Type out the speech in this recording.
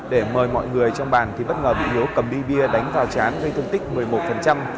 để mời mọi người trong bàn thì bất ngờ bị hiếu cầm đi bia đánh vào tráng gây thương tích một mươi một